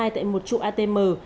tại một trụ atm